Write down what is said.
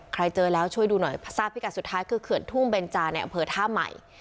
เขื่อนทุ่มเบนจาในอเภอท่าใหม่